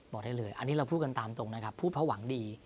บอกได้เลยอันนี้เราพูดกันตามตรงนะครับพูดเพราะหวังดี